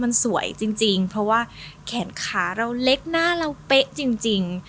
มันสวยจริงเพราะว่าแขนขาเราเล็กหน้าเราเป๊ะจริง